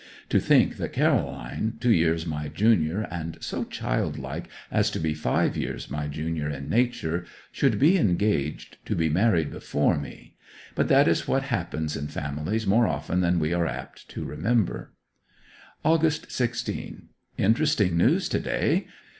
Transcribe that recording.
To think that Caroline, two years my junior, and so childlike as to be five years my junior in nature, should be engaged to be married before me. But that is what happens in families more often than we are apt to remember. August 16. Interesting news to day.